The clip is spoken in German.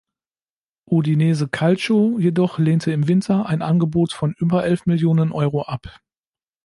Udinese Calcio jedoch lehnte im Winter ein Angebot von über elf Millionen Euro ab.